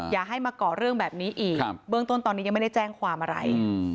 อย่าให้มาก่อเรื่องแบบนี้อีกเบื้องต้นตอนนี้ยังไม่ได้แจ้งความอะไร